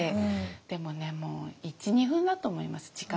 でもねもう１２分だと思います時間にしたら。